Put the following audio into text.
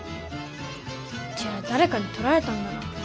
じゃあだれかにとられたんだな。